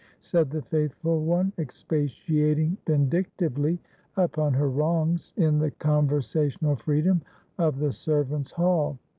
said the faithful one, expatiating vindictively upon her wrongs, in the conversational freedom of the servauts' hall.